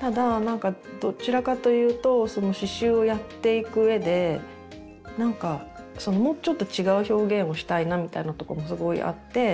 ただなんかどちらかというと刺しゅうをやっていく上でなんかもうちょっと違う表現をしたいなみたいなとこもすごいあって。